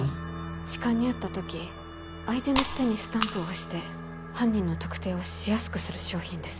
痴漢に遭った時相手の手にスタンプを押して犯人の特定をしやすくする商品です